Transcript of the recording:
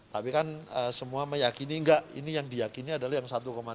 tapi kan semua meyakini enggak ini yang diyakini adalah yang satu tujuh